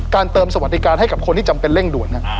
เติมสวัสดิการให้กับคนที่จำเป็นเร่งด่วน